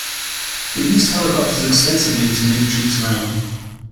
They used helicopters extensively to move troops around.